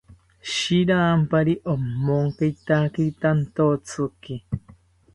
Shirampari omonkeitakiri tantotziki